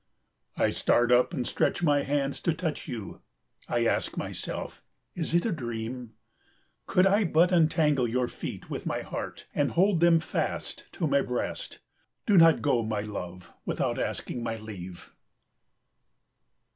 I start up and stretch my hands to touch you. I ask myself, "Is it a dream?" Could I but entangle your feet with my heart and hold them fast to my breast! Do not go, my love, without asking my leave.